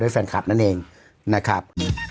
แฟนคลับนั่นเองนะครับ